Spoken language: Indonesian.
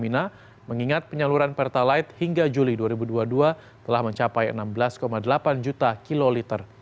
mengingat penyaluran pertalite hingga juli dua ribu dua puluh dua telah mencapai enam belas delapan juta kiloliter